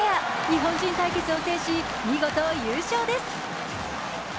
日本人対決を制し見事、優勝です。